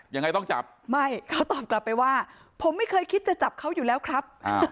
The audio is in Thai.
ยังไงต้องจับไม่เขาตอบกลับไปว่าผมไม่เคยคิดจะจับเขาอยู่แล้วครับ